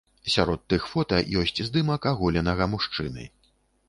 Сярод тых фота ёсць здымак аголенага мужчыны.